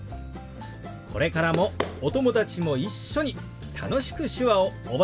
これからもお友達も一緒に楽しく手話を覚えていってくださいね。